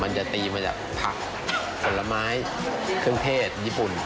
มันจะตีมาจากผักผลไม้เครื่องเพศญี่ปุ่น